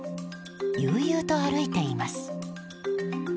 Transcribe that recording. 悠々と歩いています。